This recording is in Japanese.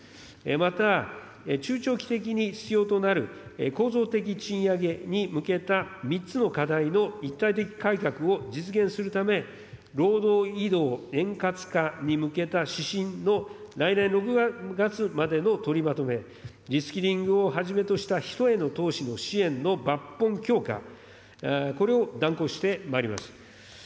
また中長期的に必要となる構造的賃上げに向けた３つの課題の一体的改革を実現するため、労働移動円滑化に向けた指針の来年６月までの取りまとめ、リスキリングをはじめとした人への投資の支援の抜本強化、これを断行してまいります。